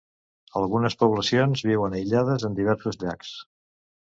Algunes poblacions viuen aïllades en diversos llacs.